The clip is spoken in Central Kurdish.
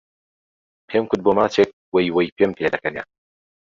پێم کوت بۆ ماچێک وەی وەی پێم پێ دەکەنێ